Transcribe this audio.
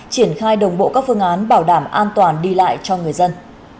triển khai đồng bộ các phương án bảo đảm an toàn đi lại cho người dân